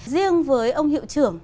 riêng với ông hiệu trưởng